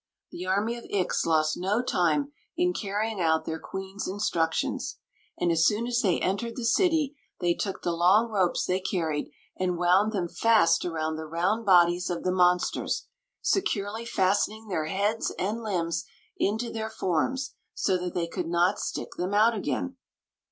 The army of Ix lost no time in carrying out their queen's instructions; and as soon as they entered the city they took the long ropes they carried and wound them fast about the round bodies of the monsters, securely fastening their heads and limbs into their forms so that they could not stick them out again.